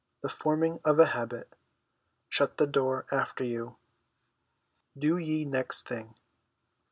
THE FORMING OF A HABIT ' SHUT THE DOOR AFTER YOU '" po ge next thtncje."